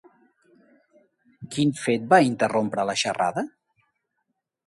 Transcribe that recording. Quin fet va interrompre la xerrada?